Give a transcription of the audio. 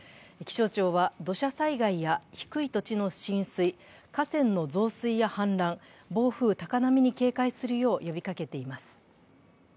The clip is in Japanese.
気象庁は、土砂災害や低い土地の浸水、河川の増水や氾濫暴風・高波に警戒するよう呼びかけています。